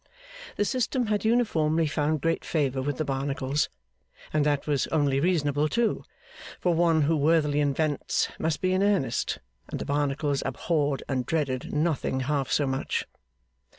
The system had uniformly found great favour with the Barnacles, and that was only reasonable, too; for one who worthily invents must be in earnest, and the Barnacles abhorred and dreaded nothing half so much.